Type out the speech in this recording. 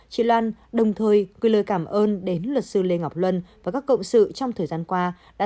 chị lan đồng thời gửi lời cảm ơn đến luật sư lê ngọc luân và các cộng sự trong thời gian qua đã